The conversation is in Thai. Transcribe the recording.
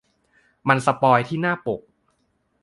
มันสปอยล์ที่หน้าปก